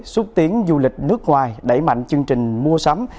xúc tiến du lịch nước ngoài đẩy mạnh chương trình mua sắm